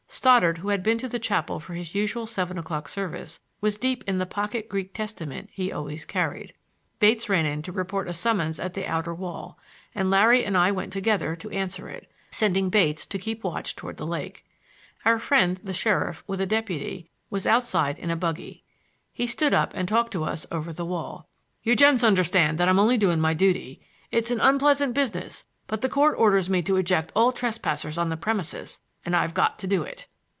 Stoddard, who had been to the chapel for his usual seven o'clock service, was deep in the pocket Greek testament he always carried. Bates ran in to report a summons at the outer wall, and Larry and I went together to answer it, sending Bates to keep watch toward the lake. Our friend the sheriff, with a deputy, was outside in a buggy. He stood up and talked to us over the wall. "You gents understand that I'm only doing my duty. It's an unpleasant business, but the court orders me to eject all trespassers on the premises, and I've got to do it."